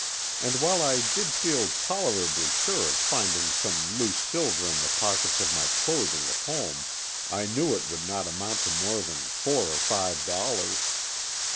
And while I did feel tolerably sure of finding some loose silver in the pockets of my clothing at home, I knew it would not amount to more than four or five dollars.